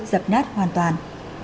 giập nát hoàn toàn